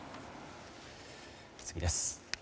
次です。